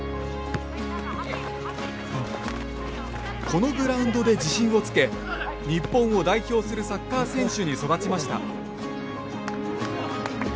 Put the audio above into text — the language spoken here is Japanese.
このグラウンドで自信をつけ日本を代表するサッカー選手に育ちました。